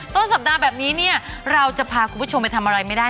ต้นสัปดาห์แบบนี้เนี่ยเราจะพาคุณผู้ชมไปทำอะไรไม่ได้